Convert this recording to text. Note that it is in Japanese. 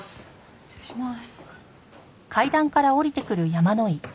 失礼します。